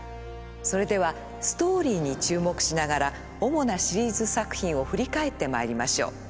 それではストーリーに注目しながら主なシリーズ作品を振り返ってまいりましょう。